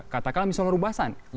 katakanlah misalnya rubasan